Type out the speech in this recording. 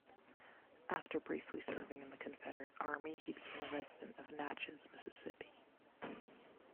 After briefly serving in the Confederate Army, he became a resident of Natchez, Mississippi.